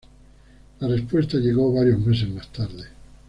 La respuesta llegó varios meses más tarde.